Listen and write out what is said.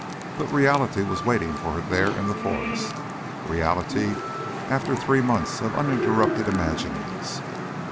But reality was waiting for her there in the forest, reality after three months of uninterrupted imaginings.